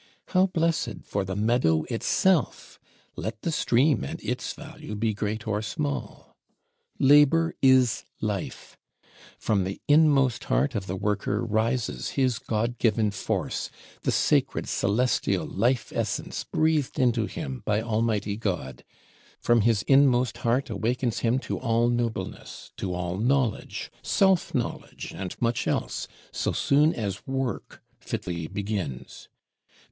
How blessed for the meadow itself, let the stream and its value be great or small! Labor is Life: from the inmost heart of the Worker rises his God given Force, the sacred celestial Life essence breathed into him by Almighty God; from his inmost heart awakens him to all nobleness, to all knowledge, "self knowledge" and much else, so soon as Work fitly begins.